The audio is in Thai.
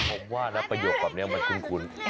ผมว่านะประโยคแบบนี้มันคุ้น